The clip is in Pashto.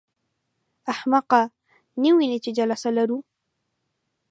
احمقه! نه وینې چې جلسه لرو.